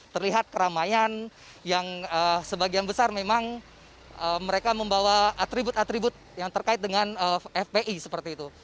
terlihat keramaian yang sebagian besar memang mereka membawa atribut atribut yang terkait dengan fpi seperti itu